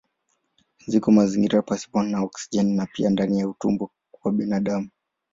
Ziko mazingira pasipo na oksijeni na pia ndani ya utumbo wa binadamu.